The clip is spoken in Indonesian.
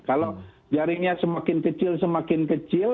kalau jaringnya semakin kecil semakin kecil